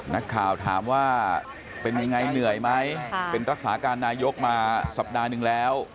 นักข่าวถามว่าเป็นยังไงเหนื่อยไหมเป็นรักษาการนายกมาสัปดาห์หนึ่งแล้ว